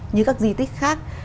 như các di tích khác